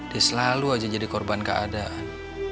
dia selalu aja jadi korban keadaan